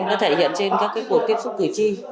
nó thể hiện trên các cuộc tiếp xúc cử tri